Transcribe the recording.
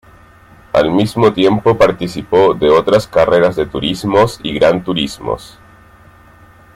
Al mismo tiempo participó de otras carreras de turismos y gran turismos.